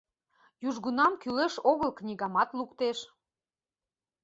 Южгунам кӱлеш огыл книгамат луктеш.